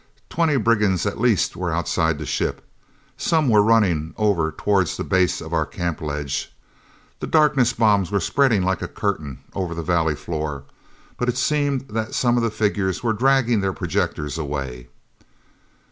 Twenty brigands at least were outside the ship. Some were running over toward the base of our camp ledge. The darkness bombs were spreading like a curtain over the valley floor; but it seemed that some of the figures were dragging their projectors away.